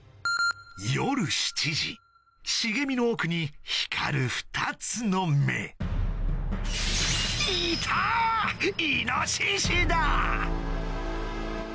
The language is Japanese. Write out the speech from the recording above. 茂みの奥に光る２つの目イノシシだ！